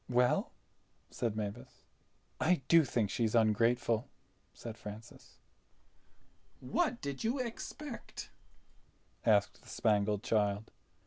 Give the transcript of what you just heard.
"Well!" said Mavis. "I do think she's ungrateful," said Francis. "What did you expect?" asked the Spangled Child.